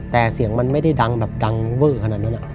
แต่เสียงมันไม่ได้ดังแบบดังเวอร์ขนาดนั้น